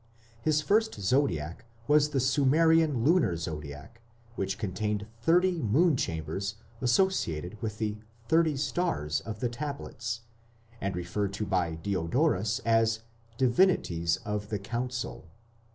His first zodiac was the Sumerian lunar zodiac, which contained thirty moon chambers associated with the "Thirty Stars" of the tablets, and referred to by Diodorus as "Divinities of the Council".